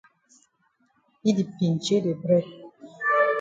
Yi di pinchay de bread.